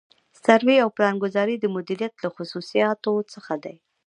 سروې او پلانګذاري د مدیریت له خصوصیاتو څخه دي.